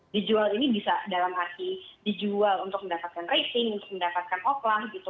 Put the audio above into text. dijual ini bisa dalam arti dijual untuk mendapatkan rating untuk mendapatkan oklan gitu